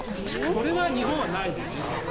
これは日本はないね。